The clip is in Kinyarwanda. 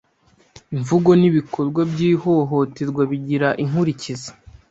Imvugo n’ibikorwa by’ihohoterwa bigira inkurikizi